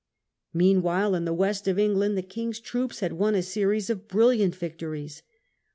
Meanwhile, in the West of England, the king's troops had won a series of brilliant victories.